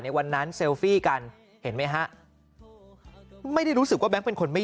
วันนั้นเซลฟี่กันเห็นไหมฮะไม่ได้รู้สึกว่าแก๊งเป็นคนไม่